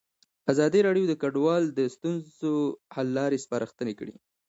ازادي راډیو د کډوال د ستونزو حل لارې سپارښتنې کړي.